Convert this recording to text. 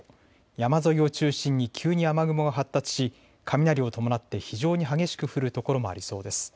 山沿いを中心に急に雨雲が発達し雷を伴って非常に激しく降る所もありそうです。